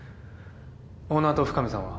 オーナーと深水さんは？